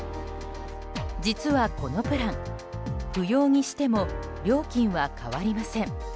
実はこのプラン、不要にしても料金は変わりません。